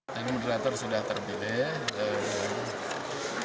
tadi moderator sudah terpilih